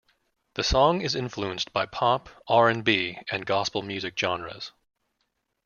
The song is influenced by pop, R and B and gospel music genres.